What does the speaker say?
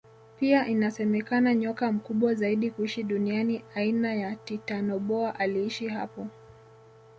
Pia inasemekana nyoka mkubwa zaidi kuishi duniani aina ya titanoboa aliishi hapo